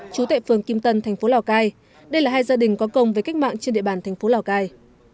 chú tệ phường kim tân thành phố lào cai đây là hai gia đình có công với cách mạng trên địa bàn thành phố lào cai